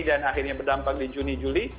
dan akhirnya berdampak di juni juli